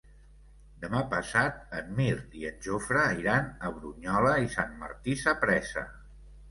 Demà passat en Mirt i en Jofre iran a Brunyola i Sant Martí Sapresa.